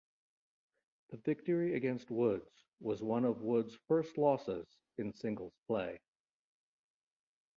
The victory against Woods was one of Woods' first losses in singles play.